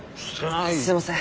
すいません。